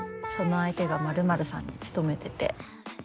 その相手がまるまるさんに勤めてて。